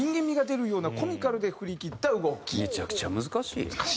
めちゃくちゃ難しいやん。